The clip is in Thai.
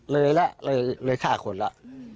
เลยละเลยฆ่าคนละ